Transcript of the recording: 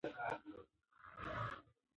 ایا دا غږ رښتیا و؟